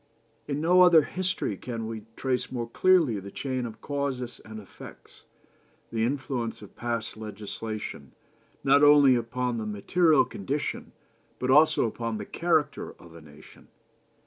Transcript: In no other history can we trace more clearly the chain of causes and effects, the influence of past legislation, not only upon the material condition, but also upon the character of a nation.